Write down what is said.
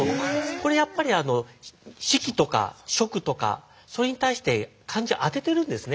これやっぱり「敷」とか「食」とかそれに対して漢字を当ててるんですね